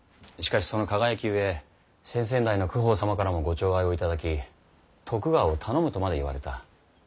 しかしその輝きゆえ先々代の公方様からもご寵愛を頂き「徳川を頼む」とまで言われた。